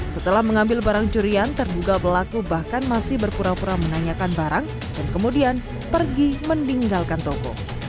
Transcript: setelah mengambil barang curian terduga pelaku bahkan masih berpura pura menanyakan barang dan kemudian pergi meninggalkan toko